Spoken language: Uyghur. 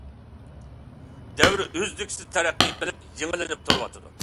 دەۋر ئۈزلۈكسىز تەرەققىي قىلىپ يېڭىلىنىپ تۇرىدۇ.